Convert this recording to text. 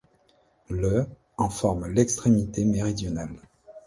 Le en forme l'extrémité méridionale.